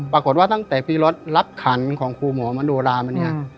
ปรากฏว่าตั้งแต่พี่รถรับขันของครูหมอมโนรามาเนี่ย